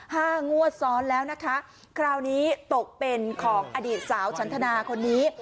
งวดซ้อนแล้วนะคะคราวนี้ตกเป็นของอดีตสาวฉันทนาคนนี้